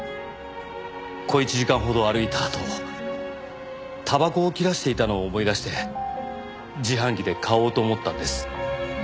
小一時間ほど歩いたあとたばこを切らしていたのを思い出して自販機で買おうと思ったんです。